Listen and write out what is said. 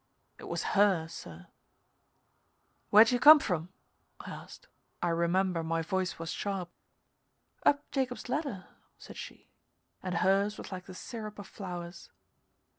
It was her, sir. "Where'd you come from?" I asked. I remember my voice was sharp. "Up Jacob's ladder," said she, and hers was like the syrup of flowers.